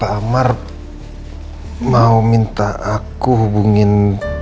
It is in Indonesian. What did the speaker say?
pak amar mau minta aku hubungin